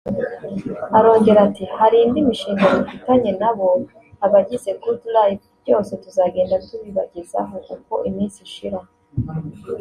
Arongera ati “Hari indi mishinga dufitanye na bo [abagize Good Life] byose tuzagenda tubibagezaho uko iminsi ishira